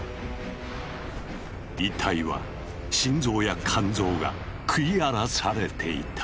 遺体は心臓や肝臓が食い荒らされていた。